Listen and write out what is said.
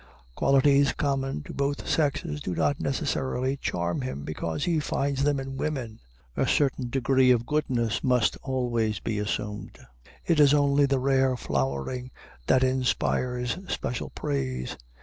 Qualities common to both sexes do not necessarily charm him because he finds them in women. A certain degree of goodness must always be assumed. It is only the rare flowering that inspires special praise.